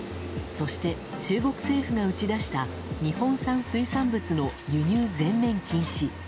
そして、中国政府が打ち出した日本産水産物の輸入全面禁止。